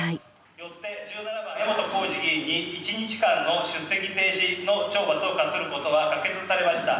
よって江本浩二議員に１日間の出席停止の懲罰を科することが可決されました。